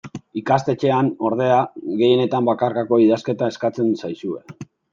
Ikastetxean, ordea, gehienetan bakarkako idazketa eskatzen zaizue.